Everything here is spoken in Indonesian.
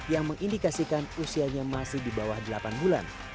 yang mengindikasikan usianya masih di bawah delapan bulan